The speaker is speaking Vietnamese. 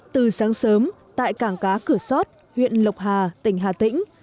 từ sáng sớm tại cảng cá cửa sót huyện lộc hà tỉnh hà tĩnh